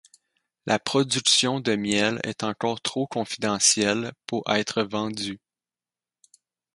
La production de miel est encore trop confidentielle pour être vendue.